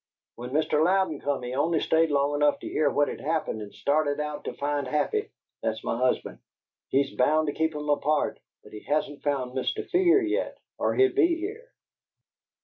When Mr. Louden come, he only stayed long enough to hear what had happened and started out to find Happy that's my husband. He's bound to keep them apart, but he hasn't found Mr. Fear yet or he'd be here."